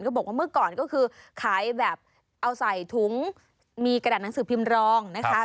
บอกว่าเมื่อก่อนก็คือขายแบบเอาใส่ถุงมีกระดาษหนังสือพิมพ์รองนะคะ